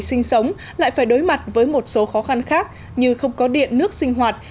sinh sống lại phải đối mặt với một số khó khăn khác như không có điện nước sinh hoạt